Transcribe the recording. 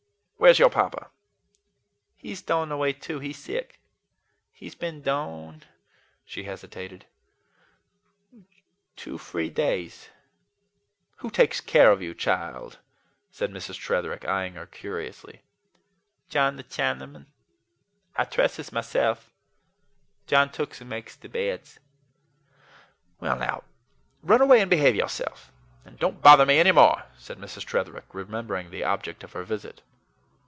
"Where's your papa?" "He's dorn away too. He's sick. He's been dorn" she hesitated "two, free, days." "Who takes care of you, child?" said Mrs. Tretherick, eying her curiously. "John, the Chinaman. I tresses myselth. John tooks and makes the beds." "Well, now, run away and behave yourself, and don't bother me any more," said Mrs. Tretherick, remembering the object of her visit.